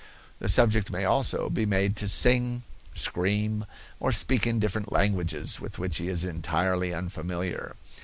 The subject may also be made to sing, scream or speak different languages with which he is entirely unfamiliar.